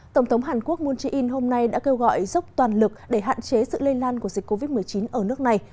tổng thống hàn quốc moon jae in hôm nay đã kêu gọi dốc toàn lực để hạn chế sự lây lan của dịch covid một mươi chín ở nước này